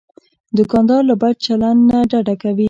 دوکاندار له بد چلند نه ډډه کوي.